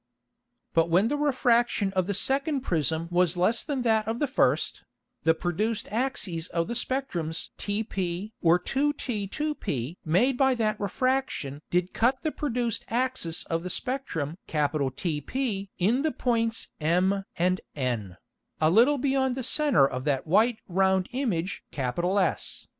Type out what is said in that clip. But when the Refraction of the second Prism was less than that of the first, the produced Axes of the Spectrums tp or 2t 2p made by that Refraction did cut the produced Axis of the Spectrum TP in the points m and n, a little beyond the Center of that white round Image S.